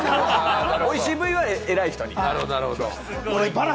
おいしい部位はエラい人に。